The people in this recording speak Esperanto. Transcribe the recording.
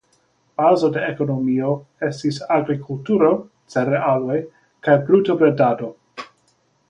Bazo de ekonomio estis agrikulturo (cerealoj) kaj brutobredado.